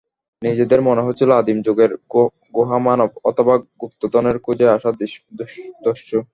নিজেদের মনে হচ্ছিল আদিম যুগের গুহামানব অথবা গুপ্তধনের খোঁজে আসা দস্যু।